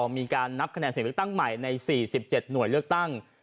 มีการนับคะแนนเสียงเลือกตั้งใหม่ใน๔๗หน่วยเลือกตั้ง